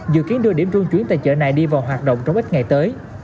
dự kiến đưa điểm trung chuyển tại chợ này đi vào hoạt động trong ít ngày tới